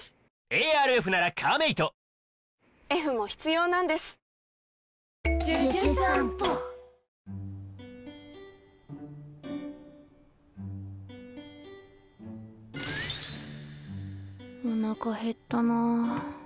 おなか減ったなぁ。